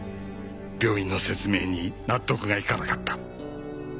病院の説明に納得がいかなかった。